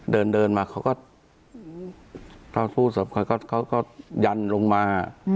เดินมาเขาก็ถ้าพูดสำหรับคนก็ยันลงมา